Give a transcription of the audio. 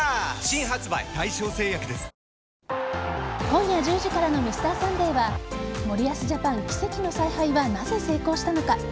今夜１０時からの「Ｍｒ．サンデー」は森保ジャパン奇跡の采配はなぜ成功したのか。